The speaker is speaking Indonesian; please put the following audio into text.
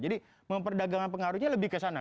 jadi memperdagangkan pengaruhnya lebih ke sana